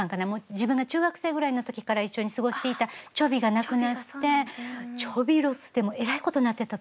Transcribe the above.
自分が中学生ぐらいの時から一緒に過ごしていたちょびが亡くなってちょびロスでもうえらいことになってたと思うんです。